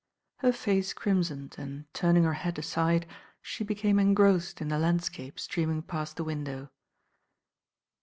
Her face crimsoned and, turning her head aside, she became engrossed in the landscape streaming past the window.